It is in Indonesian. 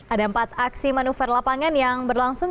ada empat aksi manuver lapangan yang berlangsung